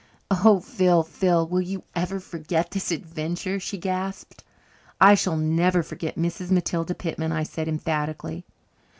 "Oh, Phil, Phil, will you ever forget this adventure?" she gasped. "I shall never forget Mrs. Matilda Pitman," I said emphatically.